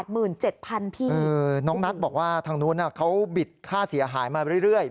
คือน้องนัทบอกว่าทางนู้นเขาบิดค่าเสียหายมาเรื่อย